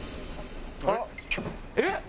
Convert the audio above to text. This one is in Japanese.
あら！えっ！